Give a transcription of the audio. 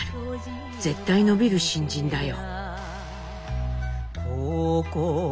絶対伸びる新人だよ」。